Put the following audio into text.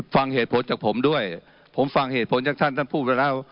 ฟังเหตุผลจากผมด้วยผมฟังเหตุผลจากท่านท่านพูดไปแล้ว